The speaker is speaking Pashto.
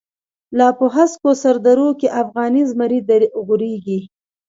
لا په هسکو سر درو کی، افغانی زمری غوریږی